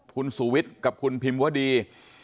คุณสูวิทย์กับคุณพิมวดี